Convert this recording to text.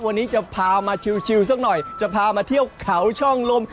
วันนี้จะพามาชิวสักหน่อยจะพามาเที่ยวเขาช่องลม